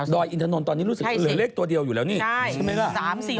อินทนนท์ตอนนี้รู้สึกเหลือเลขตัวเดียวอยู่แล้วนี่ใช่ไหมล่ะ